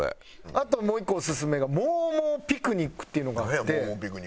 あともう１個オススメがモーモーピクニックっていうのがあって。